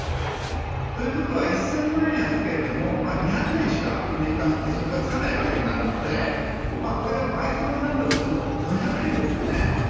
ということは１０００万円預けても、２００円しか年間、利息がつかないわけになるのでこれが倍増になったとしても４００円ですよね。